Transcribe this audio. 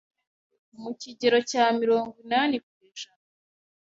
ku kigero cya mirongo inani kw’ijana